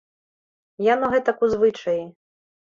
Яно гэтак у звычаі.